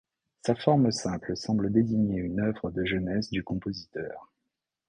Sa forme simple semble désigner une œuvre de jeunesse du compositeur.